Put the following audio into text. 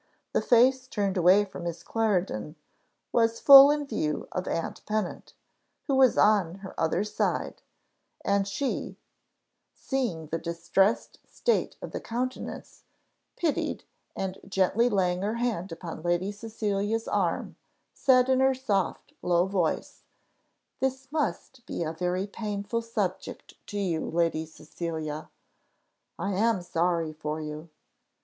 The face turned away from Miss Clarendon was full in view of aunt Pennant, who was on her other side; and she, seeing the distressed state of the countenance, pitied, and gently laying her hand upon Lady Cecilia's arm, said, in her soft low voice, "This must be a very painful subject to you, Lady Cecilia. I am sorry for you."